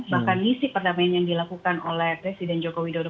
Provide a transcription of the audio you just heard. bahkan misi perdamaian yang dilakukan oleh presiden joko widodo